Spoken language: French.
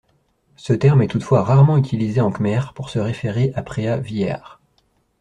Ce terme est toutefois rarement utilisé en khmer pour se référer à Preah Vihear.